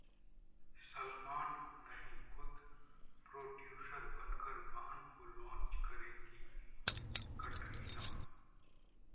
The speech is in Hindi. सलमान नहीं, खुद प्रोड्यूसर बनकर बहन को लॉन्च करेंगी कटरीना!